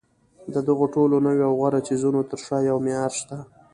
د دغو ټولو نویو او غوره څیزونو تر شا یو معیار شته